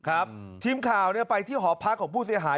ทีมข่าวไปที่หอพักของผู้เสียหาย